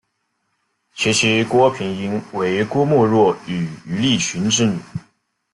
其妻郭平英为郭沫若与于立群之女。